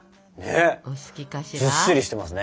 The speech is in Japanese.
お好きかしら？